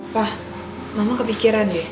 pak mama kepikiran ya